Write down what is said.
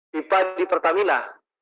pipa di pertamina